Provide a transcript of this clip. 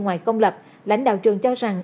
ngoài công lập lãnh đạo trường cho rằng